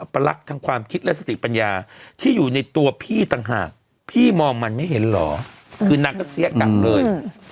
ปฏิปัญญาที่อยู่ในตัวพี่ต่างหากพี่มองมันไม่เห็นหรอคือนักก็เสี้ยกันเลย